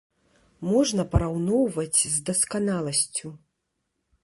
Можна параўноўваць з дасканаласцю.